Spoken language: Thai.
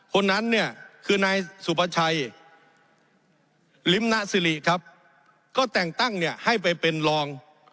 คนนั้นคือนายสุประชัยริมนสิริก็แต่งตั้งให้ไปเป็นลอง